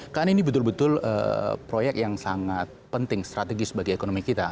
karena ini betul betul proyek yang sangat penting strategis bagi ekonomi kita